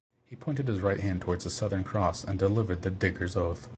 He pointed his right hand towards the Southern Cross and delivered the diggers oath.